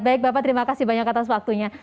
baik bapak terima kasih banyak atas waktunya